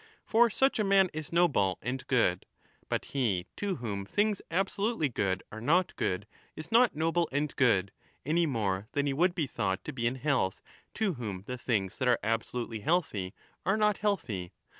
For such a man is noble and good. But he to whom things absolutely good are not good is not noble and good, any more than he would be thought to be in health to 35 whom the things that are absolutely healthy are not healthy.